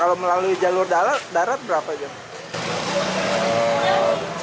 kalau melalui jalur darat darat berapa jam